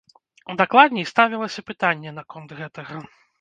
Дакладней, ставілася пытанне наконт гэтага.